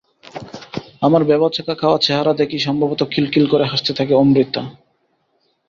আমার ভ্যাবাচ্যাকা খাওয়া চেহারা দেখেই সম্ভবত খিলখিল করে হাসতে থাকে অমৃতা।